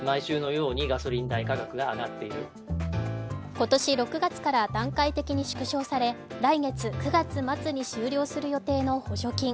今年６月から段階的に縮小され来月９月末に終了する予定の補助金。